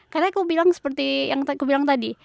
karena aku bilang seperti yang aku bilang tadi